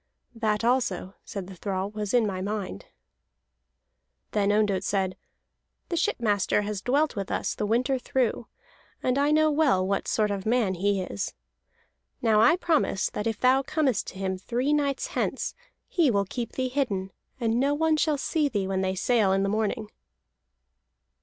"That also," said the thrall, "was in my mind." Then Ondott said: "The shipmaster has dwelt with us the winter through, and I know well what sort of man he is. Now I promise that if thou comest to him three nights hence, he will keep thee hidden, and no one shall see thee when they sail in the morning."